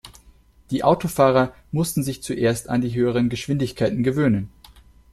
Die Autofahrer mussten sich zuerst an die höheren Geschwindigkeiten gewöhnen.